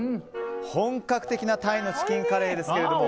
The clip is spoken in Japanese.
本格的なタイのチキンカレーですが。